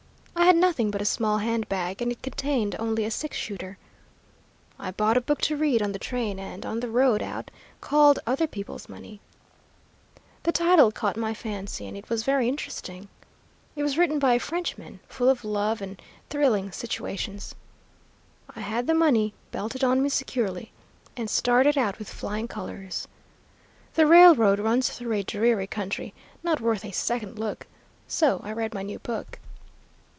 I had nothing but a small hand bag, and it contained only a six shooter. I bought a book to read on the train and on the road out, called 'Other People's Money.' The title caught my fancy, and it was very interesting. It was written by a Frenchman, full of love and thrilling situations. I had the money belted on me securely, and started out with flying colors. The railroad runs through a dreary country, not worth a second look, so I read my new book.